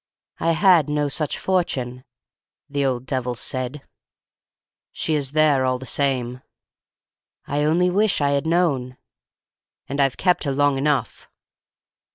"'I had no such fortune,' the old devil said. "'She is there, all the same.' "'I only wish I 'ad known.' "'And I've kept her long enough!